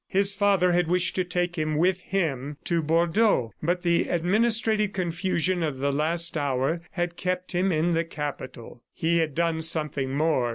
His father had wished to take him with him to Bordeaux, but the administrative confusion of the last hour had kept him in the capital. He had done something more.